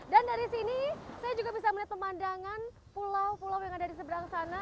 dan dari sini saya juga bisa melihat pemandangan pulau pulau yang ada di seberang sana